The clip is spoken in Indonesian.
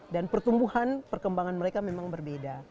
dan pertumbuhan perkembangan mereka memang berbeda